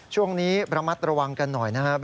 ช่วงนี้ระมัดระวังกันหน่อยนะครับ